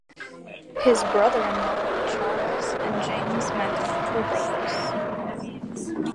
His brothers-in-law, Charles and James Mecca, were brothers.